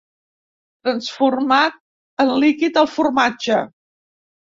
Transformat en líquid, el formatge.